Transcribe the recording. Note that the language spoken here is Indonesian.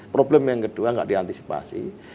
problem yang kedua tidak diantisipasi